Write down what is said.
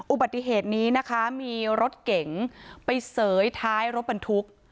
อุบัติเหตุนี้นะคะมีรถเก๋งไปเสยท้ายรถบรรทุก